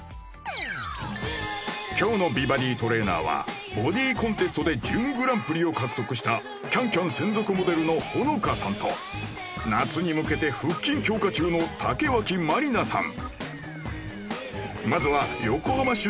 今日の美バディトレーナーはボディコンテストで準グランプリを獲得したＣａｎＣａｍ専属モデルのほのかさんと夏に向けて腹筋強化中の竹脇まりなさん